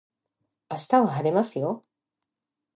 明日は晴れますよ